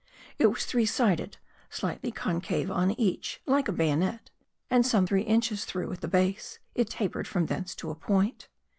It was three sided, slightly eon cave on each, like a bayonet ; and some three inches through at the base, it tapered from thence to a point.